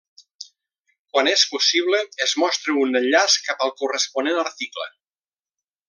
Quan és possible es mostra un enllaç cap al corresponent article.